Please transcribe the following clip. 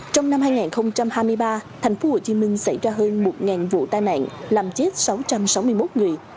trong năm hai nghìn hai mươi ba tp hcm xảy ra hơn một vụ tai nạn làm chết sáu trăm sáu mươi một người